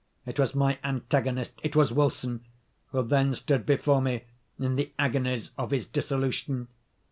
It was my antagonist—it was Wilson, who then stood before me in the agonies of his dissolution.